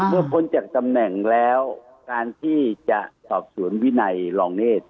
พ้นจากตำแหน่งแล้วการที่จะสอบสวนวินัยรองเนธ